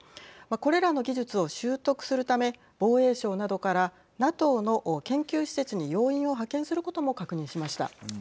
これらの技術を習得するため防衛省などからＮＡＴＯの研究施設に要員を派遣することも確認しました。